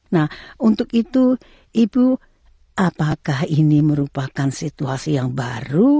nah untuk itu ibu apakah ini merupakan situasi yang baru